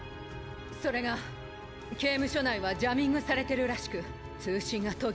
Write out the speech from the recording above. それが刑務所内はジャミングされてるらしく通信が途切れたままで。